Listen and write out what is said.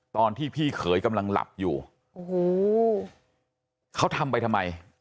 พี่เขยกำลังหลับอยู่โอ้โหเขาทำไปทำไม